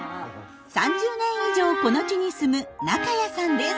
３０年以上この地に住む中谷さんです。